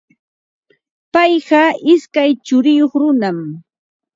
Payqa ishkay churiyuq runam.